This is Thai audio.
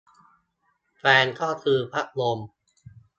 แฟนก็คือพัดลม